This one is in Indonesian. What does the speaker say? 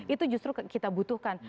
itu justru kita butuhkan